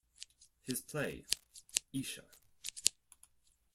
His play, Isha.